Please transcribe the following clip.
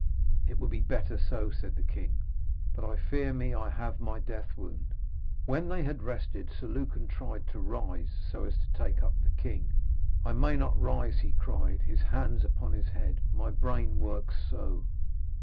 'It would be better so,' said the king, 'but I fear me I have my death wound.' When they had rested Sir Lucan tried to rise, so as to take up the king. 'I may not rise,' he cried, his hands upon his head, 'my brain works so.'